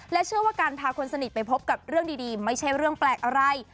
เชื่อว่าการพาคนสนิทไปพบกับเรื่องดีไม่ใช่เรื่องแปลกอะไร